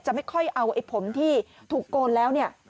ไม่ค่อยเอาไอ้ผมที่ถูกโกนแล้วเนี่ย